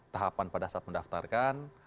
tahapan pada saat mendaftarkan